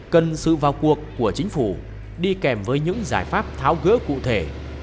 cần sự vào cuộc của chính phủ đi kèm với những giải pháp tháo gỡ cụ thể